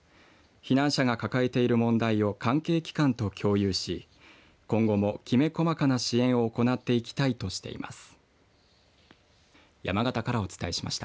避難者が抱えている問題を関係機関と共有し今後もきめ細かな支援を行っていきたいとしています。